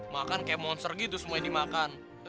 makan kayak monster gitu semua yang dimakan